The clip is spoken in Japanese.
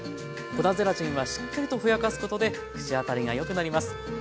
粉ゼラチンはしっかりとふやかすことで口当たりがよくなります。